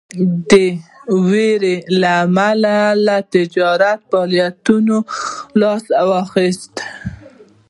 د ویرې له امله له تجارتي فعالیتونو لاس واخیست.